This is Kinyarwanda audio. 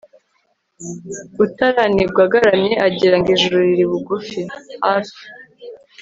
utaranigwa agaramye agira ngo ijuru riri bugufi (hafi)